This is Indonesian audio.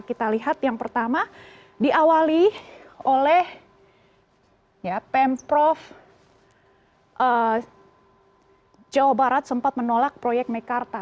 kita lihat yang pertama diawali oleh pemprov jawa barat sempat menolak proyek mekarta